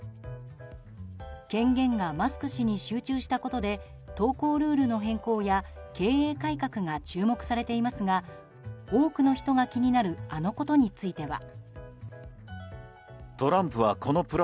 権限がマスク氏に集中したことで投稿ルールの変更や経営改革が注目されていますが多くの人が気になるあのことについては。